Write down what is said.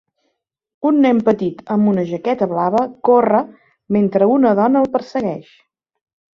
Un nen petit amb una jaqueta blava corre, mentre una dona el persegueix.